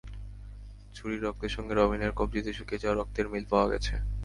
ছুরির রক্তের সঙ্গে রবিনের কবজিতে শুকিয়ে যাওয়া রক্তের মিল পাওয়া গেছে।